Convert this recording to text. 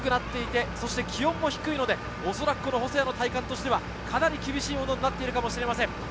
気温も低いので、細谷の体感としてはかなり厳しいものになっているかもしれません。